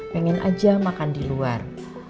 pengen aja makan di luar